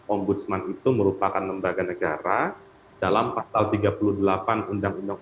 ombudsman itu merupakan lembaga negara dalam pasal tiga puluh delapan undang undang